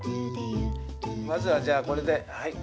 まずはじゃあこれではい。